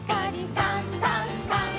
「さんさんさん」